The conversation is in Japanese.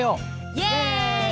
イエイ！